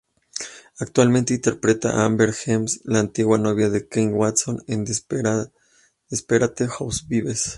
Actualmente interpreta a Amber James, la antigua novia de Keith Watson, en "Desperate Housewives".